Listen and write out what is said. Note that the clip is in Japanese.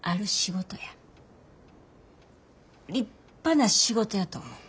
立派な仕事やと思う。